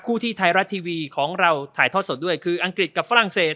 ที่ไทยรัฐทีวีของเราถ่ายทอดสดด้วยคืออังกฤษกับฝรั่งเศส